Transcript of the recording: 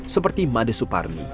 seperti mada suparmi